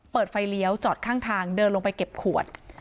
เปิดไฟเลี้ยวจอดข้างทางเดินลงไปเก็บขวด